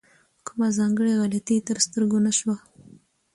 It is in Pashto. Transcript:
کومه ځانګړې غلطي تر سترګو نه شوه.